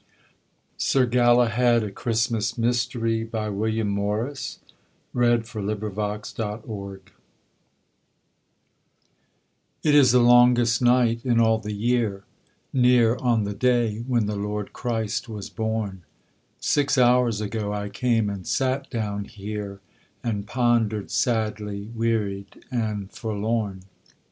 SIR GALAHAD, A CHRISTMAS MYSTERY SIR GALAHAD, A CHRISTMAS MYSTERY It is the longest night in all the year, Near on the day when the Lord Christ was born; Six hours ago I came and sat down here, And ponder'd sadly, wearied and forlorn.